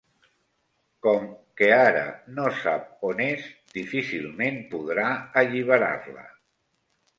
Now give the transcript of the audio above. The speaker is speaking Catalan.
Com que ara no sap on és, difícilment podrà alliberar-la.